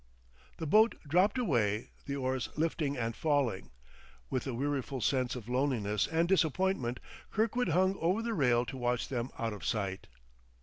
The boat dropped away, the oars lifting and falling. With a weariful sense of loneliness and disappointment, Kirkwood hung over the rail to watch them out of sight.